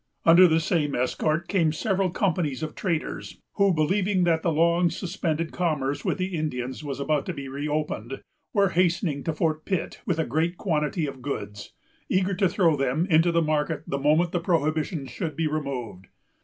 Under the same escort came several companies of traders, who, believing that the long suspended commerce with the Indians was about to be reopened, were hastening to Fort Pitt with a great quantity of goods, eager to throw them into the market the moment the prohibition should be removed.